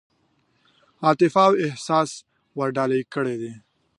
عاطفه او احساس ورډالۍ کړي دي.